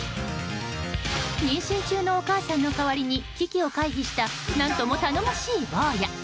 妊娠中のお母さんの代わりに危機を回避した何とも頼もしい坊や。